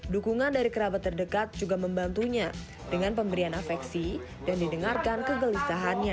dukungan dari kerabat terdekat juga membantunya dengan pemberian afeksi dan didengarkan kegelisahannya